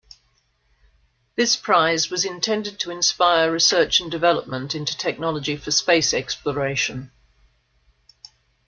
This prize was intended to inspire research and development into technology for space exploration.